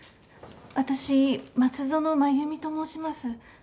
私松園真弓と申します。